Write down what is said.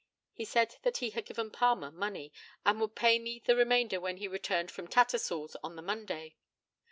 He said that he had given Palmer money, and would pay me the remainder when he returned from Tattersall's on the Monday.